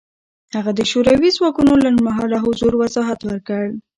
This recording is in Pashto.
هغه د شوروي ځواکونو لنډمهاله حضور وضاحت ورکړ.